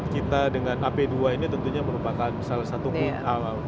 kita dengan ap dua ini tentunya merupakan salah satupun